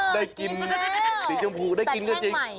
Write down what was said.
ได้กินสีชมพูได้กินก็จริง